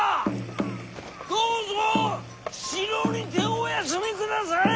どうぞ城にてお休みくだされ！